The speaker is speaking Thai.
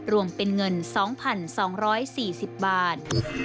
รวมเป็นเงิน๒๒๔๐บาท